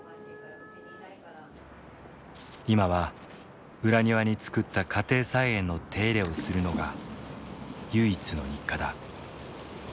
今は裏庭に作った家庭菜園の手入れをするのが唯一の日課だ。